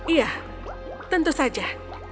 iya tentu saja